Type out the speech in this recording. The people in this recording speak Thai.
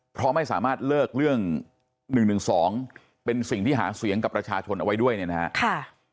เพราะไม่สามารถเลิกเรื่อง๑๑๒เป็นสิ่งที่หาเสียงกับประชาชนเอาไว้ด้วยเนี่ยนะครับ